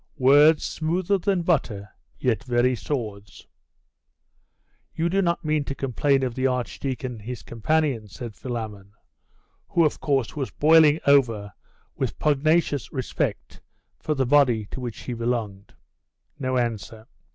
Words smoother than butter, yet very swords.' 'You do not mean to complain of the archdeacon and his companions?' said Philammon, who of course was boiling over with pugnacious respect for the body to which he belonged. No answer.